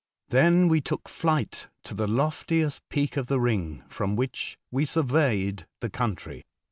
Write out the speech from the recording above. Tben we took jBigbt to tbe loftiest peak of tbe ring,, from wbicb we surveyed tbe country.